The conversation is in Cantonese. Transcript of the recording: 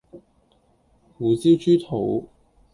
胡椒豬肚